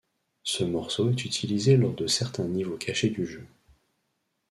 Ce morceau est utilisé lors de certains niveaux cachés du jeu.